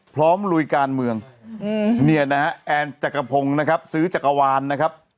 ลุยการเมืองเนี่ยนะฮะแอนจักรพงศ์นะครับซื้อจักรวาลนะครับ